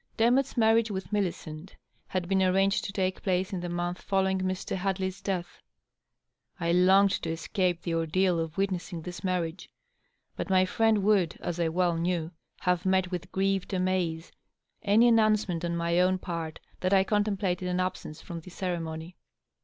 Demotte's marriage with Millicent had been arranged to take place in the month following Mr. Hadley^s death. I longed to escape the ordeal of witnessing this marriage, but my friend would, as I well knew, have met with grieved amaze any announcement on nay own part that I contemplated an absence from the ceremony.